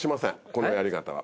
このやり方は。